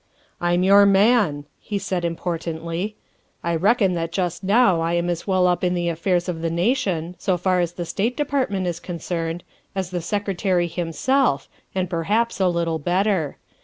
"I'm your man," he said importantly. " I reckon that just now I am as well up in the affairs of the nation, so far as the State Department is concerned, as the Sec retary himself, and perhaps a little better.